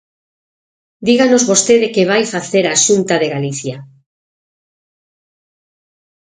Díganos vostede que vai facer a Xunta de Galicia.